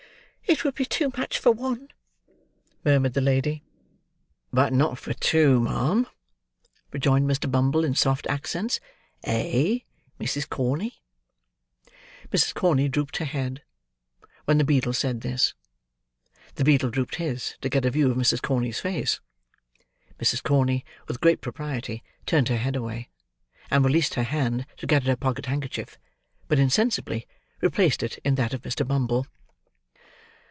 "It would be too much for one," murmured the lady. "But not for two, ma'am," rejoined Mr. Bumble, in soft accents. "Eh, Mrs. Corney?" Mrs. Corney drooped her head, when the beadle said this; the beadle drooped his, to get a view of Mrs. Corney's face. Mrs. Corney, with great propriety, turned her head away, and released her hand to get at her pocket handkerchief; but insensibly replaced it in that of Mr. Bumble.